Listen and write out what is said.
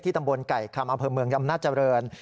ที่ตำบลไก่คำอเภอเมืองอำนาจเจริญ